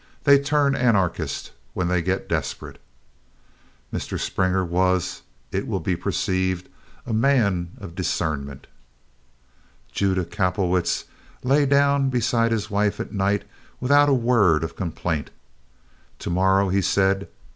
They turn Anarchist when they get desperate." Mr. Springer was, it will be perceived, a man of discernment. Judah Kapelowitz lay down beside his wife at night without a word of complaint. "To morrow," he said, "I do it."